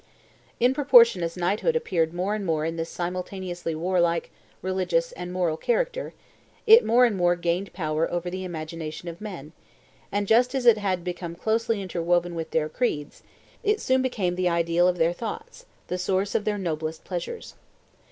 In proportion as knighthood appeared more and more in this simultaneously warlike, religious, and moral character, it more and more gained power over the imagination of men, and just as it had become closely interwoven with their creeds, it soon became the ideal of their thoughts, the source of their noblest pleasures.